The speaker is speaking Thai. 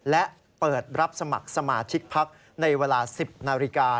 และเปิดรับสมัครสมาชิกพักในเวลา๑๐นาฬิกา